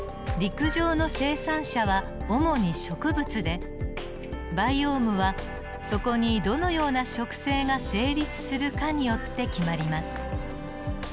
陸上の生産者は主に植物でバイオームはそこにどのような植生が成立するかによって決まります。